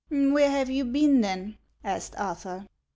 " Where have you been, then ?" asked Arthur.